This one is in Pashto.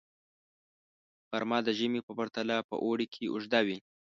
غرمه د ژمي په پرتله په اوړي کې اوږده وي